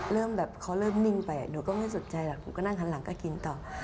เริ่มแบบเขาเริ่มนิ่งไปหนูก็ไม่สนใจหรอกหนูก็นั่งหันหลังก็กินต่อ